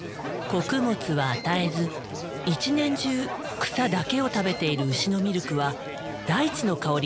穀物は与えず１年中草だけを食べている牛のミルクは大地の香りがするそうだ。